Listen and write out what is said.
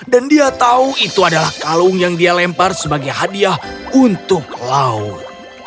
dan dia tahu itu adalah kalung yang dia lempar sebagai hadiah untuk laut